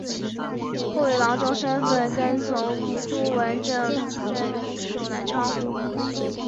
后以郎中身份跟从朱文正镇守南昌。